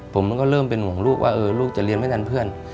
ผมก็เริ่มเป็นห่วงลูกว่าลูกจะเรียนไม่ทันเพื่อน